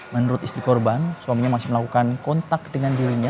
menurut istri korban suaminya masih melakukan kontak dengan dirinya